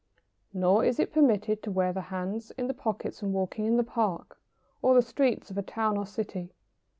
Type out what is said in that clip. ] Nor is it permitted to wear the hands in the pockets when walking in the Park, or the streets of a town or city.